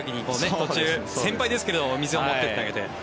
途中、先輩ですけどお水を持ってってあげて。